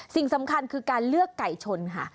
สิ่งสำคัญคือการเลือกไก่ชนค่ะ